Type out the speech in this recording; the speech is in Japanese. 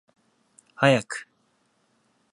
早く